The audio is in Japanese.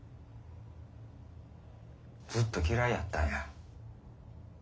ずっと嫌いやったんや。